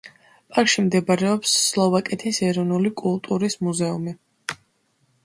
პარკში მდებარეობს სლოვაკეთის ეროვნული კულტურის მუზეუმი.